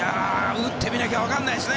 打ってみなきゃ分からないですね。